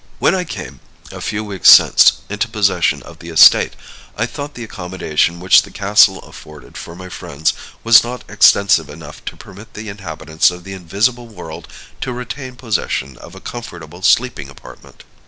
"When I came, a few weeks since, into possession of the estate, I thought the accommodation which the castle afforded for my friends was not extensive enough to permit the inhabitants of the invisible world to retain possession of a comfortable sleeping apartment.